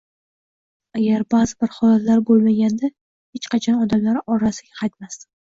Agar ba`zi bir holatlar bo`lmaganda, hech qachon odamlar orasiga qaytmasdim